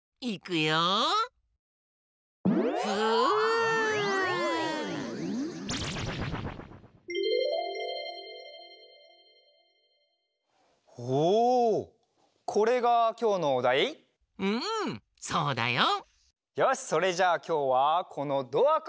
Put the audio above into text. よしそれじゃあきょうはこのドアからスタート。